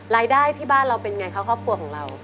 รายได้ที่บ้านเราเป็นไงคะครอบครัวของเรา